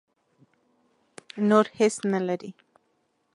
نور هېڅ نه لري.